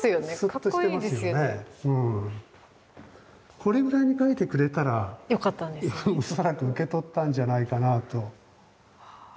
これぐらいに描いてくれたら恐らく受け取ったんじゃないかなぁと。